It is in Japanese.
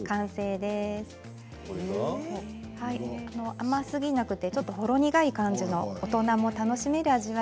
甘すぎなくてちょっとほろ苦い感じの大人も楽しめる味わいです。